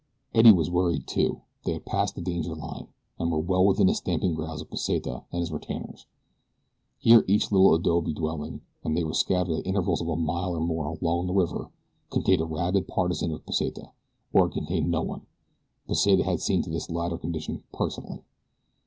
Eddie was worried, too. They had passed the danger line, and were well within the stamping ground of Pesita and his retainers. Here each little adobe dwelling, and they were scattered at intervals of a mile or more along the river, contained a rabid partisan of Pesita, or it contained no one Pesita had seen to this latter condition personally.